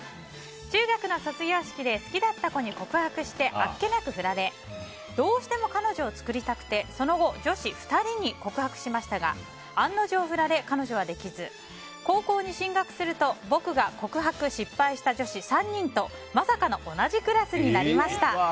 中学の卒業式で好きだった子に告白してあっけなく振られどうしても彼女を作りたくてその後、女子２人に告白しましたが案の定振られ、彼女はできず高校に進学すると僕が告白失敗した女子３人とまさかの同じクラスになりました。